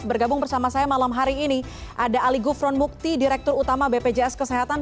bergabung bersama saya malam hari ini ada ali gufron mukti direktur utama bpjs kesehatan